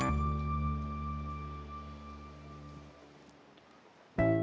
jangan ada kayak au dah